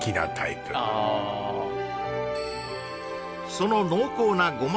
その濃厚なごま